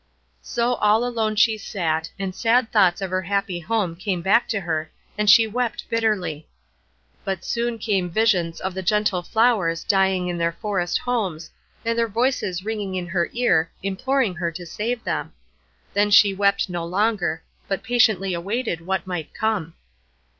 So all alone she sat, and sad thoughts of her happy home came back to her, and she wept bitterly. But soon came visions of the gentle flowers dying in their forest homes, and their voices ringing in her ear, imploring her to save them. Then she wept no longer, but patiently awaited what might come.